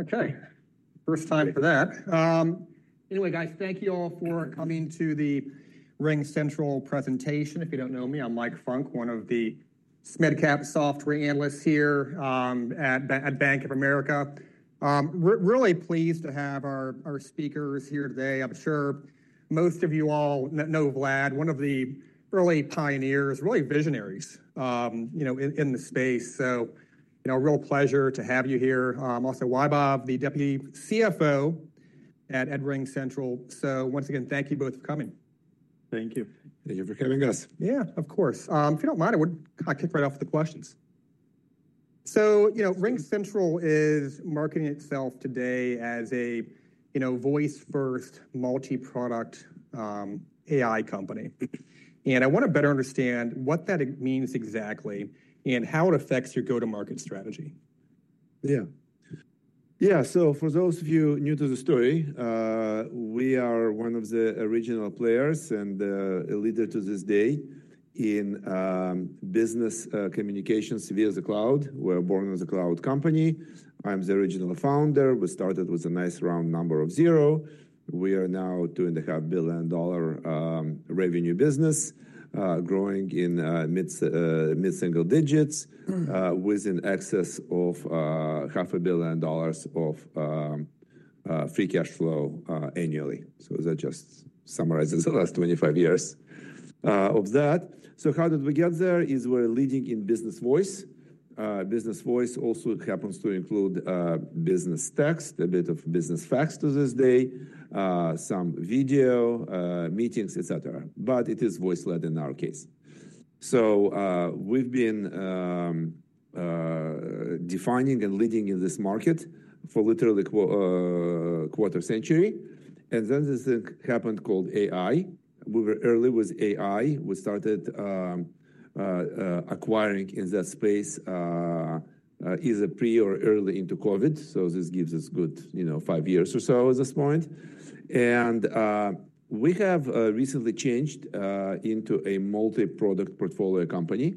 Okay, first time for that. Anyway, guys, thank you all for coming to the RingCentral presentation. If you don't know me, I'm Mike Funk, one of the SMID Cap software analysts here at Bank of America. Really pleased to have our speakers here today. I'm sure most of you all know Vlad, one of the early pioneers, really visionaries in the space. You know, real pleasure to have you here. Also, Vaibhav, the Deputy CFO at RingCentral. Once again, thank you both for coming. Thank you. Thank you for having us. Yeah, of course. If you don't mind, I would kind of kick right off with the questions. You know, RingCentral is marketing itself today as a, you know, voice-first, multi-product AI company. I want to better understand what that means exactly and how it affects your go-to-market strategy. Yeah. Yeah. For those of you new to the story, we are one of the original players and a leader to this day in business communications, severe as a cloud. We are born as a cloud company. I'm the original founder. We started with a nice round number of zero. We are now a $2.5 billion revenue business, growing in mid-single digits with in excess of $500 million of free cash flow annually. That just summarizes the last 25 years of that. How did we get there is we're leading in business voice. Business voice also happens to include business text, a bit of business fax to this day, some video meetings, et cetera. It is voice-led in our case. We have been defining and leading in this market for literally a quarter century. Then this thing happened called AI. We were early with AI. We started acquiring in that space either pre or early into COVID. This gives us a good, you know, five years or so at this point. We have recently changed into a multi-product portfolio company.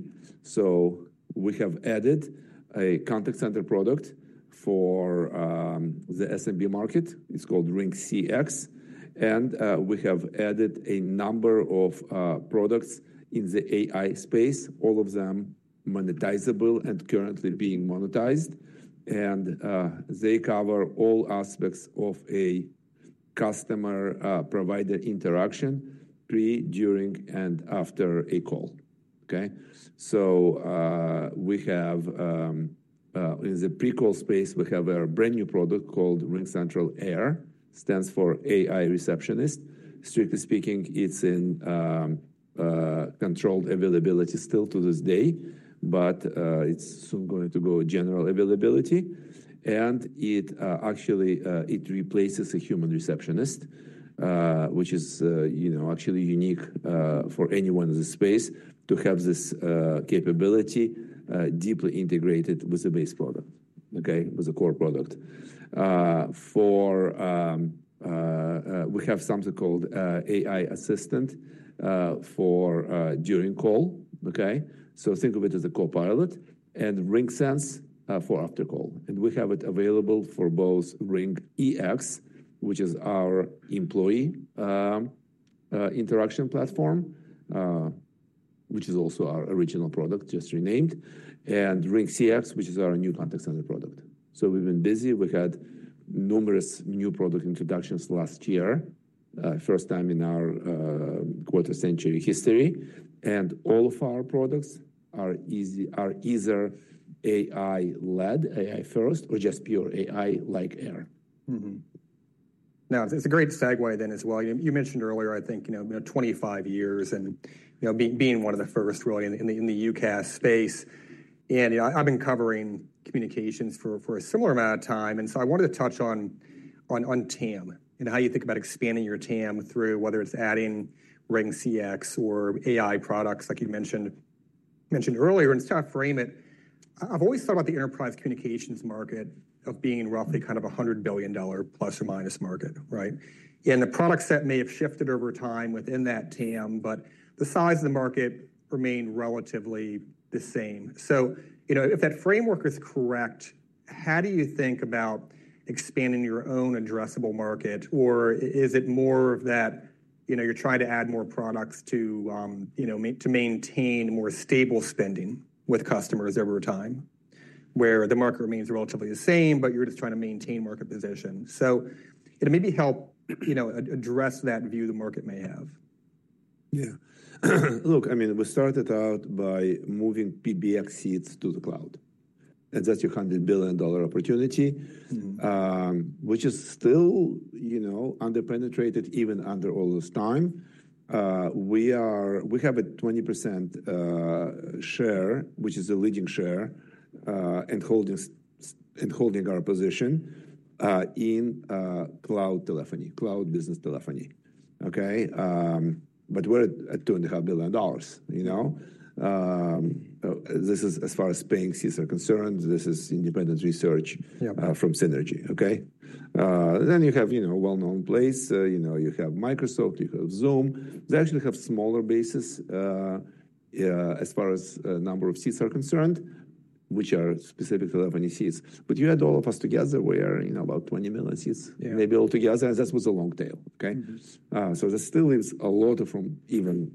We have added a contact center product for the SMB market. It's called RingCX. We have added a number of products in the AI space, all of them monetizable and currently being monetized. They cover all aspects of a customer-provider interaction pre, during, and after a call. Okay? In the pre-call space, we have a brand new product called RingCentral AIR. Stands for AI Receptionist. Strictly speaking, it's in controlled availability still to this day, but it's soon going to go general availability. It actually replaces a human receptionist, which is, you know, actually unique for anyone in the space to have this capability deeply integrated with the base product, okay, with the core product. We have something called AI Assistant for during call, okay? Think of it as a copilot and RingSense for after call. We have it available for both RingEX, which is our employee interaction platform, which is also our original product, just renamed, and RingCX, which is our new contact center product. We have been busy. We had numerous new product introductions last year, first time in our quarter century history. All of our products are either AI-led, AI-first, or just pure AI like AIR. Now, it's a great segue then as well. You mentioned earlier, I think, you know, 25 years and, you know, being one of the first really in the UCaaS space. And I've been covering communications for a similar amount of time. I wanted to touch on TAM and how you think about expanding your TAM through whether it's adding RingCX or AI products like you mentioned earlier. To kind of frame it, I've always thought about the enterprise communications market of being roughly kind of a $100 billion plus or minus market, right? The products that may have shifted over time within that TAM, but the size of the market remained relatively the same. If that framework is correct, how do you think about expanding your own addressable market? Or is it more of that, you know, you're trying to add more products to, you know, to maintain more stable spending with customers over time where the market remains relatively the same, but you're just trying to maintain market position? Maybe help, you know, address that view the market may have. Yeah. Look, I mean, we started out by moving PBX seats to the cloud. And that's your $100 billion opportunity, which is still, you know, under-penetrated even after all this time. We have a 20% share, which is the leading share and holding our position in cloud telephony, cloud business telephony, okay? But we're at $2.5 billion, you know? This is as far as paying seats are concerned. This is independent research from Synergy, okay? Then you have, you know, a well-known place. You know, you have Microsoft, you have Zoom. They actually have smaller bases as far as number of seats are concerned, which are specific telephony seats. But you add all of us together, we are, you know, about 20 million seats maybe altogether. And that was a long tail, okay? There still is a lot of room even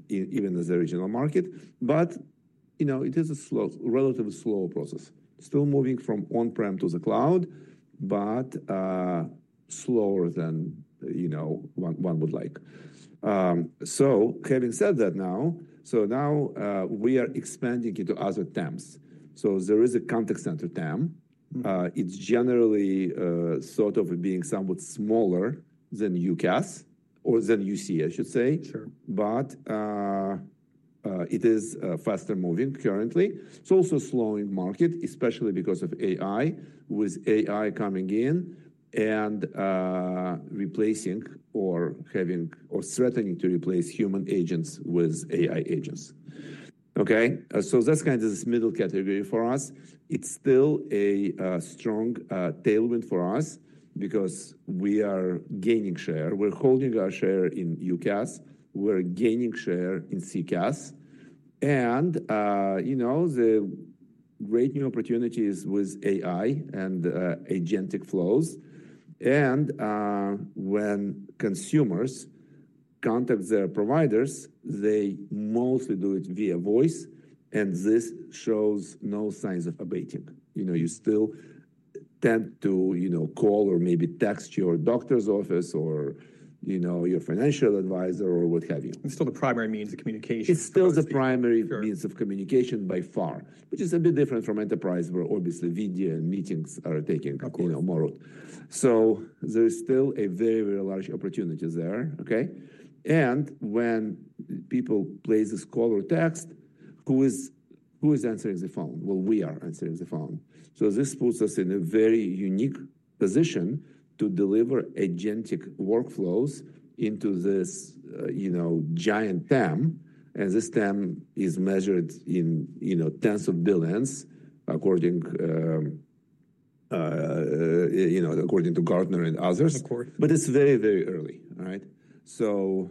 as the original market. But, you know, it is a relatively slow process. Still moving from on-prem to the cloud, but slower than, you know, one would like. Having said that now, now we are expanding into other TAMs. There is a contact center TAM. It's generally sort of being somewhat smaller than UCaaS or than UC, I should say. It is faster moving currently. It's also a slowing market, especially because of AI with AI coming in and replacing or having or threatening to replace human agents with AI agents, okay? That's kind of this middle category for us. It's still a strong tailwind for us because we are gaining share. We're holding our share in UCaaS. We're gaining share in CCaaS. You know, the great new opportunities with AI and agentic flows. When consumers contact their providers, they mostly do it via voice. This shows no signs of abating. You know, you still tend to, you know, call or maybe text your doctor's office or, you know, your financial advisor or what have you. It's still the primary means of communication. It's still the primary means of communication by far, which is a bit different from enterprise where obviously video and meetings are taking more route. There is still a very, very large opportunity there, okay? When people place this call or text, who is answering the phone? We are answering the phone. This puts us in a very unique position to deliver agentic workflows into this, you know, giant TAM. This TAM is measured in, you know, tens of billions according, you know, according to Gartner and others. Of course. But it's very, very early, all right? So,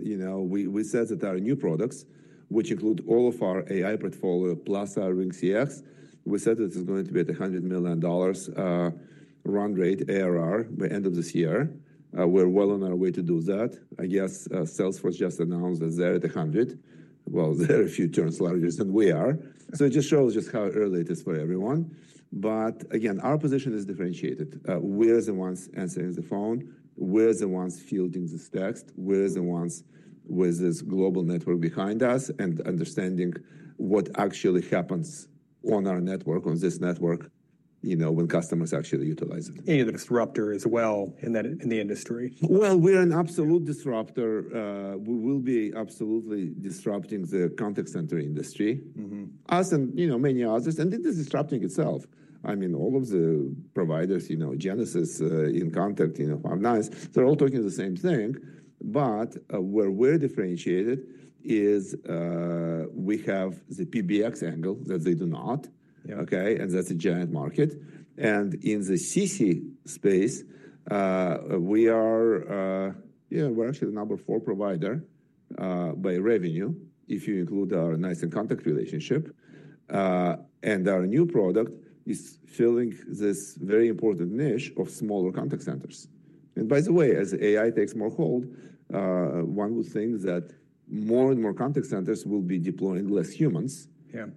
you know, we said that our new products, which include all of our AI portfolio plus our RingCX, we said that it's going to be at a $100 million run rate ARR by end of this year. We're well on our way to do that. I guess Salesforce just announced that they're at $100 million. Well, they're a few turns larger than we are. It just shows just how early it is for everyone. Again, our position is differentiated. We're the ones answering the phone. We're the ones fielding this text. We're the ones with this global network behind us and understanding what actually happens on our network, on this network, you know, when customers actually utilize it. You're the disruptor as well in the industry. We're an absolute disruptor. We will be absolutely disrupting the contact center industry. Us and, you know, many others. This is disrupting itself. I mean, all of the providers, you know, Genesys, inContact, you know, Five9, they're all talking the same thing. Where we're differentiated is we have the PBX angle that they do not, okay? That's a giant market. In the CC space, we are, yeah, we're actually the number four provider by revenue if you include our NiCE and inContact relationship. Our new product is filling this very important niche of smaller contact centers. By the way, as AI takes more hold, one would think that more and more contact centers will be deploying less humans,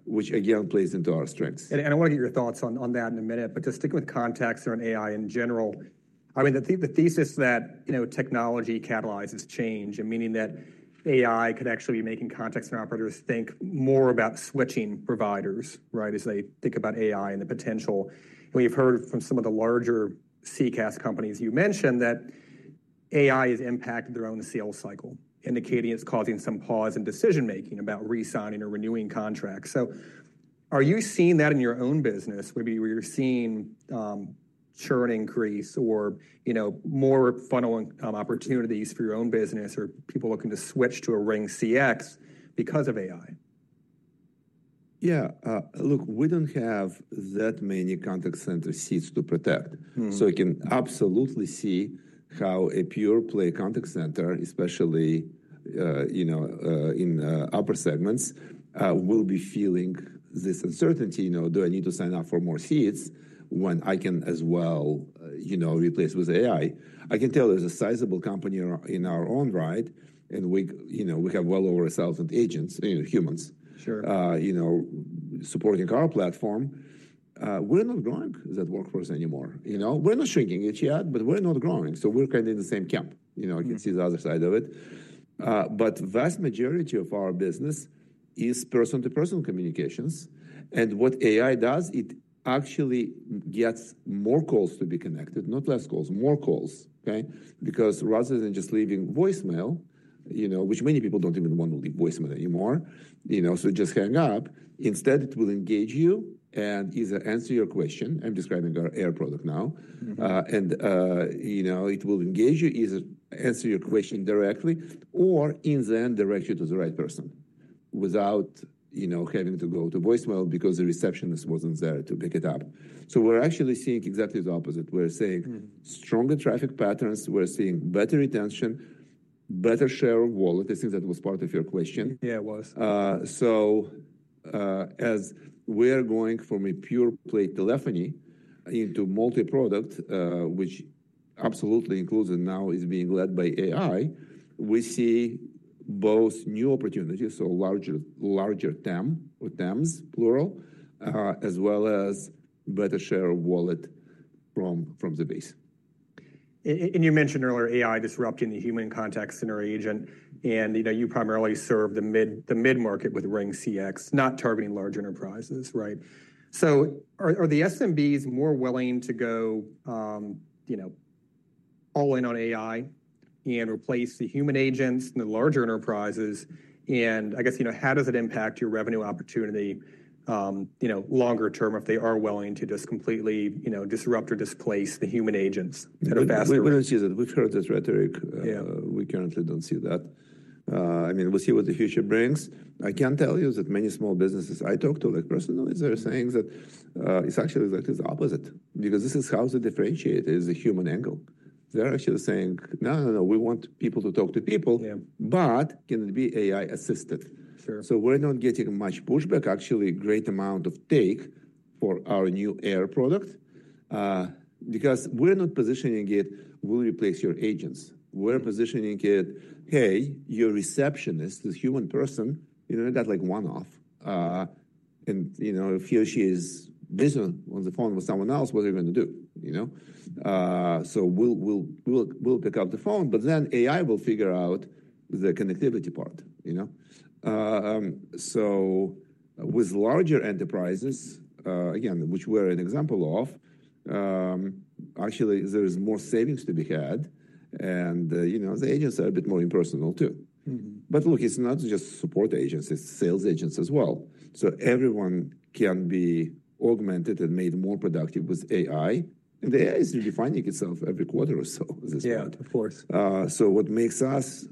which again plays into our strengths. I want to get your thoughts on that in a minute. Just sticking with contacts or AI in general, I mean, the thesis that, you know, technology catalyzes change, meaning that AI could actually be making contacts and operators think more about switching providers, right, as they think about AI and the potential. We've heard from some of the larger CCaaS companies you mentioned that AI has impacted their own sales cycle, indicating it's causing some pause in decision making about re-signing or renewing contracts. Are you seeing that in your own business? Maybe you're seeing churn increase or, you know, more funneling opportunities for your own business or people looking to switch to a RingCX because of AI? Yeah. Look, we do not have that many contact center seats to protect. I can absolutely see how a pure play contact center, especially, you know, in upper segments, will be feeling this uncertainty, you know, do I need to sign up for more seats when I can as well, you know, replace with AI? I can tell there is a sizable company in our own, right? And we, you know, we have well over 1,000 agents, you know, humans, you know, supporting our platform. We are not growing that workforce anymore. You know, we are not shrinking it yet, but we are not growing. We are kind of in the same camp, you know, you can see the other side of it. The vast majority of our business is person-to-person communications. What AI does, it actually gets more calls to be connected, not less calls, more calls, okay? Because rather than just leaving voicemail, you know, which many people do not even want to leave voicemail anymore, you know, just hang up, instead it will engage you and either answer your question. I am describing our AIR product now. You know, it will engage you, either answer your question directly or in the end direct you to the right person without, you know, having to go to voicemail because the receptionist was not there to pick it up. We are actually seeing exactly the opposite. We are seeing stronger traffic patterns. We are seeing better retention, better share of wallet. I think that was part of your question. Yeah, it was. As we are going from a pure play telephony into multi-product, which absolutely includes and now is being led by AI, we see both new opportunities, so larger TAM or TAMs plural, as well as better share of wallet from the base. You mentioned earlier AI disrupting the human contact center agent. You primarily serve the mid-market with RingCX, not targeting large enterprises, right? Are the SMBs more willing to go, you know, all in on AI and replace the human agents than the larger enterprises? I guess, you know, how does it impact your revenue opportunity longer term if they are willing to just completely, you know, disrupt or displace the human agents faster? We do not see that. We have heard this rhetoric. We currently do not see that. I mean, we will see what the future brings. I can tell you that many small businesses I talk to, like personally, they are saying that it is actually exactly the opposite because this is how they differentiate, is the human angle. They are actually saying, no, no, no, we want people to talk to people, but can it be AI assisted? We are not getting much pushback, actually a great amount of take for our new AIR product because we are not positioning it, we will replace your agents. We are positioning it, hey, your receptionist, this human person, you know, you have got like one off. And, you know, if he or she is busy on the phone with someone else, what are you going to do? You know? We will pick up the phone, but then AI will figure out the connectivity part, you know? With larger enterprises, again, which we are an example of, actually there is more savings to be had. You know, the agents are a bit more impersonal too. Look, it is not just support agents, it is sales agents as well. Everyone can be augmented and made more productive with AI. The AI is redefining itself every quarter or so this year. Yeah, of course. What makes us,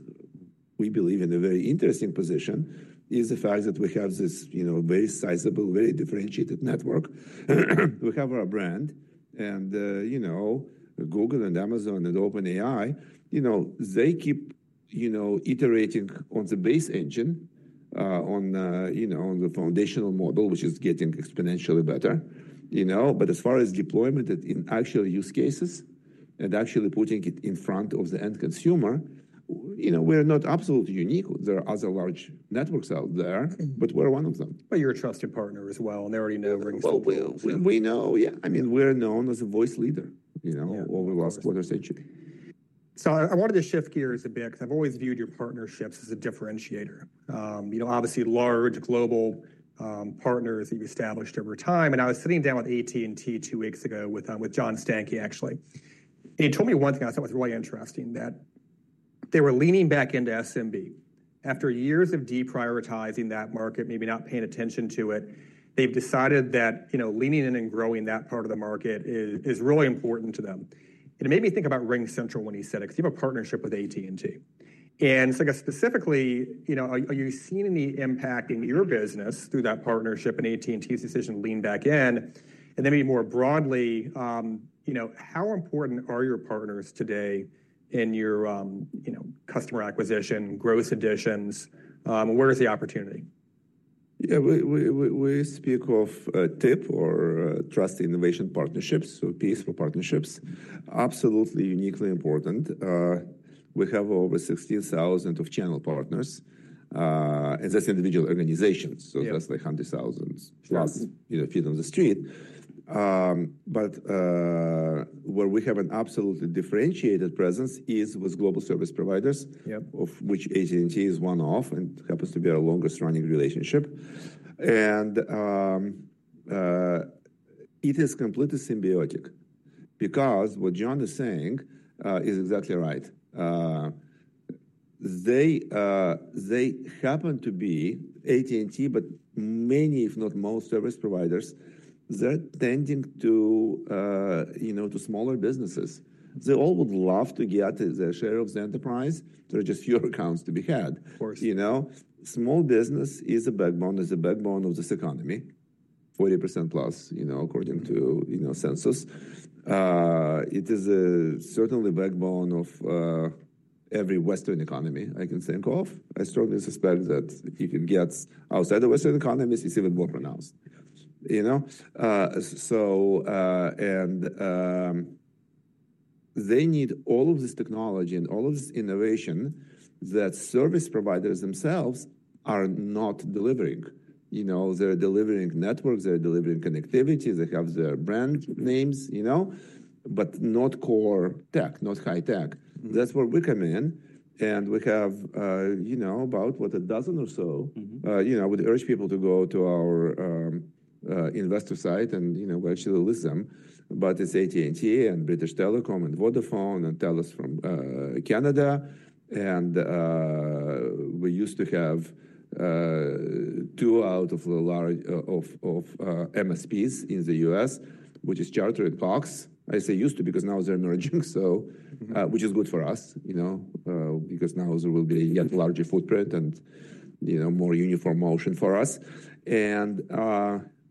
we believe, in a very interesting position is the fact that we have this, you know, very sizable, very differentiated network. We have our brand and, you know, Google and Amazon and OpenAI, you know, they keep, you know, iterating on the base engine, on, you know, on the foundational model, which is getting exponentially better, you know. As far as deployment in actual use cases and actually putting it in front of the end consumer, you know, we're not absolutely unique. There are other large networks out there, but we're one of them. You are a trusted partner as well. They already know RingCentral. We know, yeah. I mean, we're known as a voice leader, you know, over the last quarter century. I wanted to shift gears a bit because I've always viewed your partnerships as a differentiator. You know, obviously large global partners that you've established over time. I was sitting down with AT&T two weeks ago with John Stankey, actually. He told me one thing I thought was really interesting, that they were leaning back into SMB after years of deprioritizing that market, maybe not paying attention to it. They've decided that, you know, leaning in and growing that part of the market is really important to them. It made me think about RingCentral when he said it because you have a partnership with AT&T. Specifically, you know, are you seeing any impact in your business through that partnership and AT&T's decision to lean back in? Maybe more broadly, you know, how important are your partners today in your, you know, customer acquisition, growth additions? Where is the opportunity? Yeah, we speak of TIP or Trust Innovation Partnerships, so peaceful partnerships. Absolutely uniquely important. We have over 16,000 channel partners. And that's individual organizations. So that's like 100,000+, you know, feet on the street. Where we have an absolutely differentiated presence is with global service providers, of which AT&T is one of and happens to be our longest running relationship. It is completely symbiotic because what John is saying is exactly right. They happen to be AT&T, but many, if not most, service providers, they're tending to, you know, to smaller businesses. They all would love to get their share of the enterprise. There are just fewer accounts to be had. Of course. You know, small business is a backbone. It's a backbone of this economy, 40%+, you know, according to, you know, census. It is certainly a backbone of every Western economy I can think of. I strongly suspect that if it gets outside the Western economies, it's even more pronounced, you know? They need all of this technology and all of this innovation that service providers themselves are not delivering. You know, they're delivering networks, they're delivering connectivity, they have their brand names, you know, but not core tech, not high tech. That's where we come in. And we have, you know, about what, a dozen or so, you know, we'd urge people to go to our investor site and, you know, we actually list them. But it's AT&T and British Telecom and Vodafone and Telus from Canada. We used to have two out of the large MSPs in the U.S., which is chartered POCs. I say used to because now they're emerging, which is good for us, you know, because now there will be a yet larger footprint and, you know, more uniform motion for us.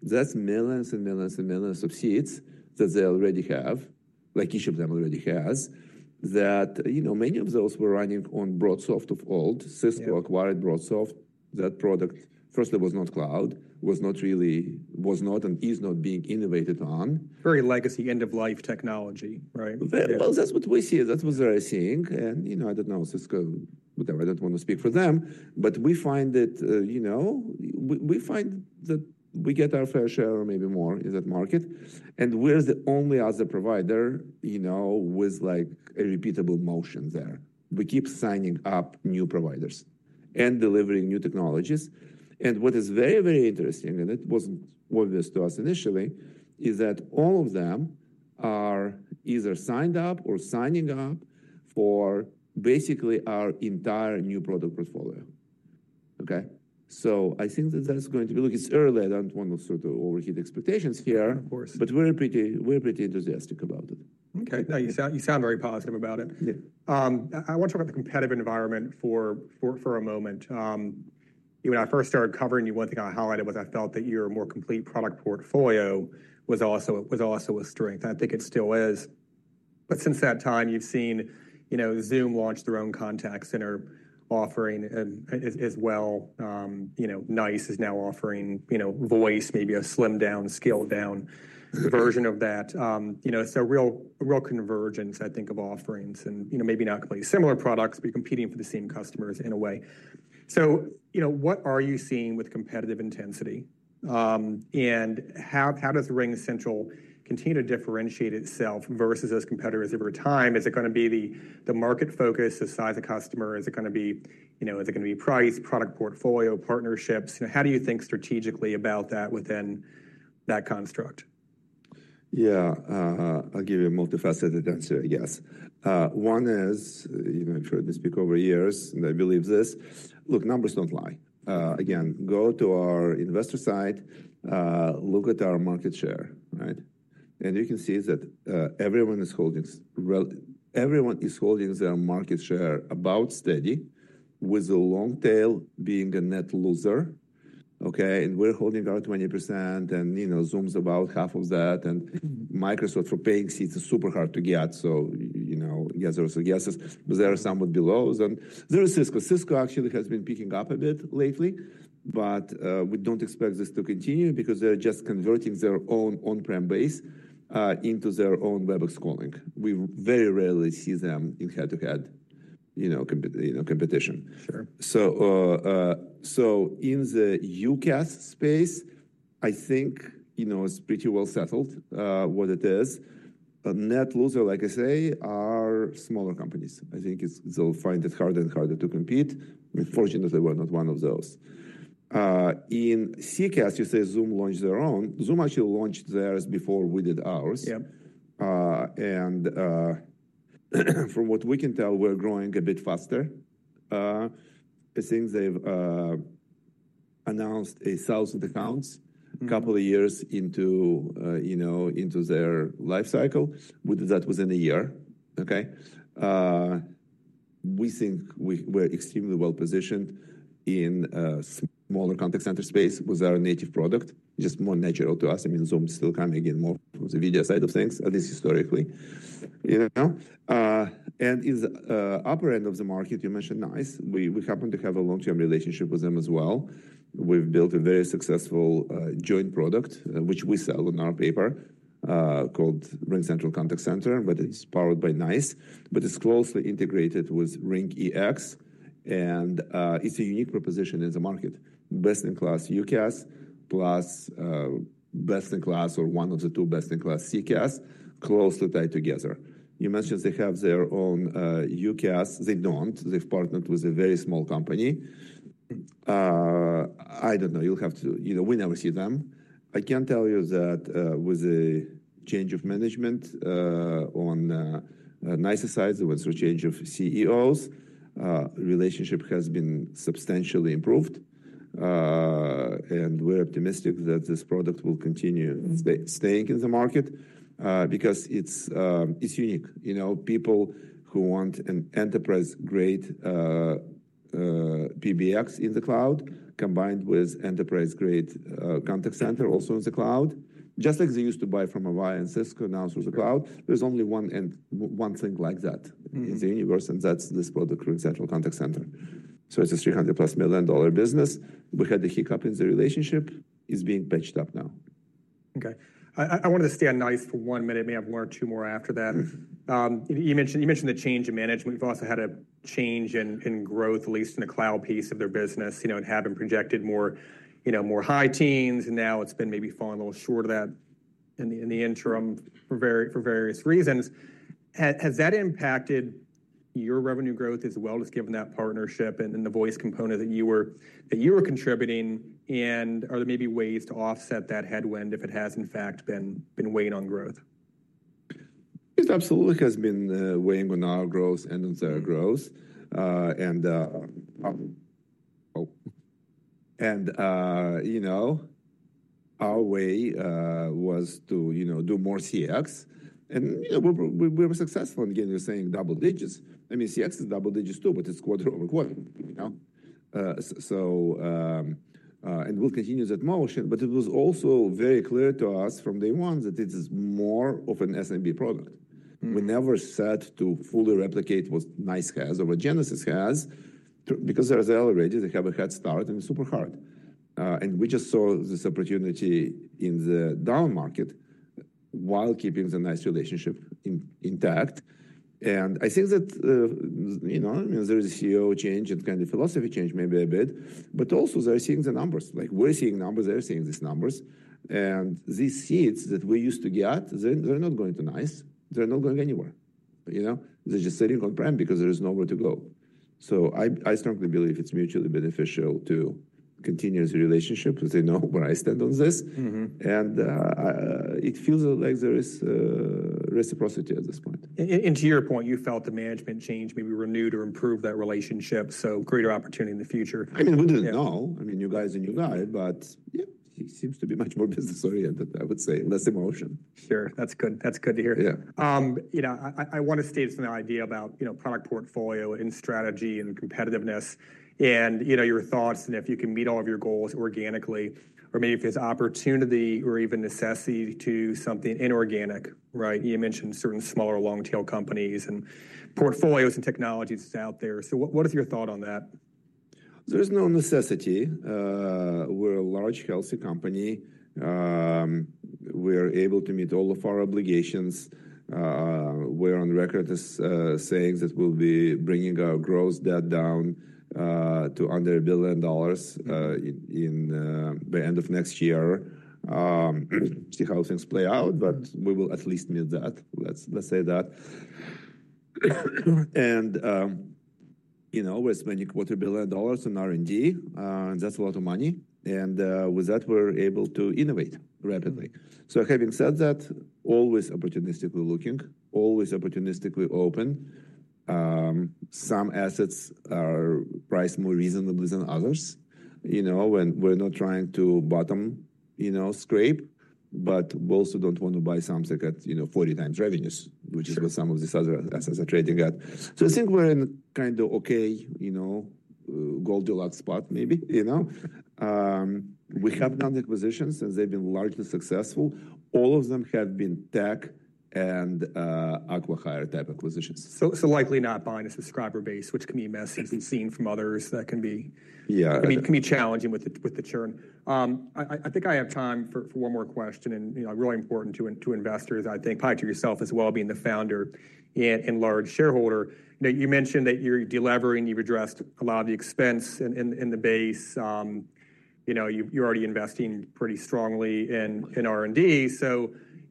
That's millions and millions and millions of seats that they already have, like each of them already has, that, you know, many of those were running on BroadSoft of old. Cisco acquired BroadSoft. That product firstly was not cloud, was not really, was not and is not being innovated on. Very legacy end-of-life technology, right? That is what we see. That is what they are seeing. And, you know, I do not know, Cisco, whatever, I do not want to speak for them. But we find that, you know, we find that we get our fair share or maybe more in that market. We are the only other provider, you know, with like a repeatable motion there. We keep signing up new providers and delivering new technologies. What is very, very interesting, and it was not obvious to us initially, is that all of them are either signed up or signing up for basically our entire new product portfolio. Okay? I think that is going to be, look, it is early. I do not want to sort of overheat expectations here. Of course. We're pretty enthusiastic about it. Okay. You sound very positive about it. I want to talk about the competitive environment for a moment. When I first started covering you, one thing I highlighted was I felt that your more complete product portfolio was also a strength. I think it still is. Since that time, you've seen, you know, Zoom launch their own contact center offering as well. You know, NiCE is now offering, you know, Voice, maybe a slimmed down, scaled down version of that. You know, it's a real convergence, I think, of offerings and, you know, maybe not completely similar products, but you're competing for the same customers in a way. You know, what are you seeing with competitive intensity? How does RingCentral continue to differentiate itself versus those competitors over time? Is it going to be the market focus, the size of customer? Is it going to be, you know, is it going to be price, product portfolio, partnerships? You know, how do you think strategically about that within that construct? Yeah, I'll give you a multifaceted answer, I guess. One is, you know, I'm sure I've been speaking over years and I believe this. Look, numbers don't lie. Again, go to our investor site, look at our market share, right? You can see that everyone is holding, everyone is holding their market share about steady, with the long tail being a net loser, okay? We're holding our 20% and, you know, Zoom's about half of that. Microsoft for paying seats is super hard to get. Yes or yeses, but there are some with belows. There is Cisco. Cisco actually has been picking up a bit lately, but we don't expect this to continue because they're just converting their own on-prem base into their own Webex calling. We very rarely see them in head-to-head, you know, competition. Sure. In the UCaaS space, I think, you know, it's pretty well settled what it is. Net loser, like I say, are smaller companies. I think they'll find it harder and harder to compete. Fortunately, we're not one of those. In CCaaS, you say Zoom launched their own. Zoom actually launched theirs before we did ours. Yeah. From what we can tell, we're growing a bit faster. I think they've announced 1,000 accounts a couple of years into, you know, into their life cycle. We did that within a year, okay? We think we're extremely well positioned in a smaller contact center space with our native product, just more natural to us. I mean, Zoom is still coming in more from the video side of things, at least historically, you know? In the upper end of the market, you mentioned NICE. We happen to have a long-term relationship with them as well. We've built a very successful joint product, which we sell on our paper, called RingCentral Contact Center, but it's powered by NiCE, but it's closely integrated with RingEX. It's a unique proposition in the market. Best in class UCaaS plus best in class or one of the two best in class CCaaS closely tied together. You mentioned they have their own UCaaS. They do not. They have partnered with a very small company. I do not know. You will have to, you know, we never see them. I can tell you that with the change of management on NiCE's side, there was a change of CEOs. Relationship has been substantially improved. We are optimistic that this product will continue staying in the market because it is unique. You know, people who want an enterprise-grade PBX in the cloud combined with enterprise-grade contact center also in the cloud, just like they used to buy from Avaya and Cisco now through the cloud, there is only one thing like that in the universe. That is this product, RingCentral Contact Center. It is a $300 million-plus business. We had a hiccup in the relationship. It's being patched up now. Okay. I wanted to stay on NiCE for one minute. Maybe I've learned two more after that. You mentioned the change in management. You've also had a change in growth, at least in the cloud piece of their business, you know, and having projected more, you know, more high teens. And now it's been maybe falling a little short of that in the interim for various reasons. Has that impacted your revenue growth as well, just given that partnership and the Voice component that you were contributing? Are there maybe ways to offset that headwind if it has in fact been weighing on growth? It absolutely has been weighing on our growth and on their growth. You know, our way was to, you know, do more CX. You know, we were successful in getting the same double digits. I mean, CX is double digits too, but it's quarter over quarter, you know? We'll continue that motion. It was also very clear to us from day one that it is more of an SMB product. We never said to fully replicate what NiCE has or what Genesys has because they're there already. They have a head start and it's super hard. We just saw this opportunity in the down market while keeping the NiCE relationship intact. I think that, you know, I mean, there is a CEO change and kind of philosophy change maybe a bit. Also, they're seeing the numbers. Like we're seeing numbers. They're seeing these numbers. These seeds that we used to get, they're not going to NiCE. They're not going anywhere, you know? They're just sitting on prem because there is nowhere to go. I strongly believe it's mutually beneficial to continue the relationship because they know where I stand on this. It feels like there is reciprocity at this point. To your point, you felt the management change maybe renewed or improved that relationship, so greater opportunity in the future. I mean, we didn't know. I mean, you guys and you guy, but yeah, he seems to be much more business-oriented, I would say, less emotion. Sure. That's good. That's good to hear. Yeah. You know, I want to stay with an idea about, you know, product portfolio and strategy and competitiveness and, you know, your thoughts and if you can meet all of your goals organically or maybe if there's opportunity or even necessity to something inorganic, right? You mentioned certain smaller long-tail companies and portfolios and technologies out there. So what is your thought on that? There's no necessity. We're a large, healthy company. We're able to meet all of our obligations. We're on record as saying that we'll be bringing our gross debt down to under $1 billion by the end of next year. See how things play out, but we will at least meet that. Let's say that. You know, we're spending $250 million on R&D. That's a lot of money. With that, we're able to innovate rapidly. Having said that, always opportunistically looking, always opportunistically open. Some assets are priced more reasonably than others. You know, we're not trying to bottom, you know, scrape, but we also don't want to buy something at, you know, 40 times revenues, which is what some of these other assets are trading at. I think we're in a kind of okay, you know, Goldilocks spot maybe, you know? We have done acquisitions and they've been largely successful. All of them have been tech and acqui-hire type acquisitions. Likely not buying a subscriber base, which can be messy and seen from others that can be challenging with the churn. I think I have time for one more question and, you know, really important to investors, I think, probably to yourself as well being the founder and large shareholder. You mentioned that you're delivering, you've addressed a lot of the expense in the base. You know, you're already investing pretty strongly in R&D.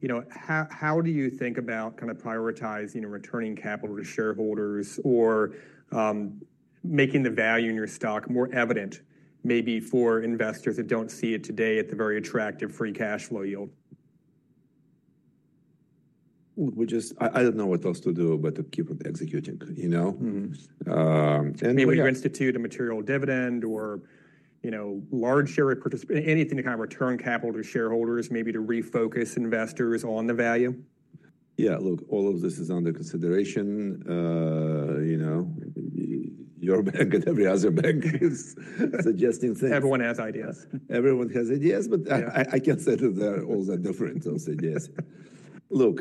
You know, how do you think about kind of prioritizing and returning capital to shareholders or making the value in your stock more evident maybe for investors that don't see it today at the very attractive free cash flow yield? I do not know what else to do but to keep on executing, you know? Maybe you institute a material dividend or, you know, large share participation, anything to kind of return capital to shareholders, maybe to refocus investors on the value? Yeah, look, all of this is under consideration. You know, your bank and every other bank is suggesting things. Everyone has ideas. Everyone has ideas, but I can't say that they're all that different on ideas. Look,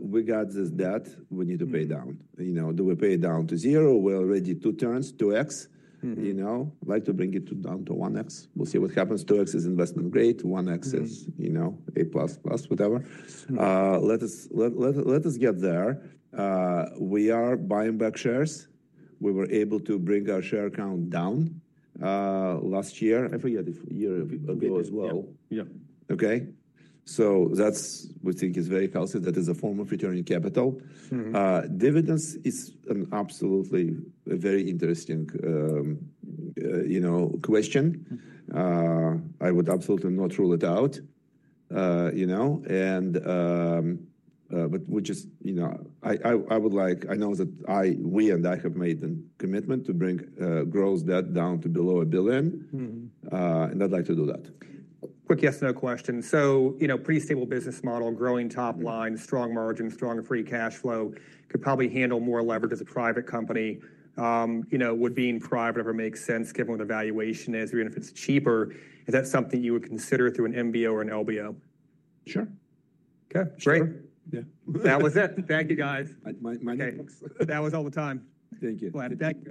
we got this debt we need to pay down. You know, do we pay it down to zero? We're already two turns, 2x, you know? Like to bring it down to 1x. We'll see what happens. 2x is investment grade. 1x is, you know, A plus plus, whatever. Let us get there. We are buying back shares. We were able to bring our share count down last year. I forget the year ago as well. Yeah. Okay? That is, we think, very healthy. That is a form of returning capital. Dividends is an absolutely very interesting, you know, question. I would absolutely not rule it out, you know? I just, you know, I would like, I know that I, we and I have made a commitment to bring gross debt down to below $1 billion. I would like to do that. Quick yes or no question. You know, pretty stable business model, growing top line, strong margin, strong free cash flow, could probably handle more leverage as a private company. You know, would being private ever make sense given what the valuation is? Even if it's cheaper, is that something you would consider through an MBO or an LBO? Sure. Okay. Great. Yeah. That was it. Thank you, guys. My thanks. That was all the time. Thank you. Glad to have you.